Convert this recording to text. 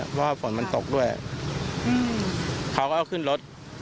เพราะว่าฝนมันตกด้วยเขาก็เอาขึ้นรถ